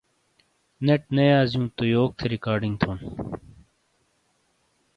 نیٹ نے یازِیوں تو یوک تھے ریکارڈنگ تھونڈ؟